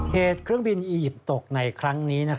เหตุเครื่องบินอียิปต์ตกในครั้งนี้